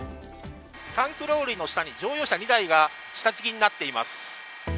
タンクローリーの下に乗用車２台が下敷きになっています。